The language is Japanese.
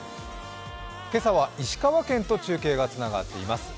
今朝は石川県と中継がつながっています。